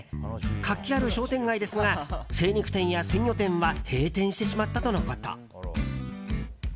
活気ある商店街ですが精肉店や鮮魚店は閉店してしまったとのこと。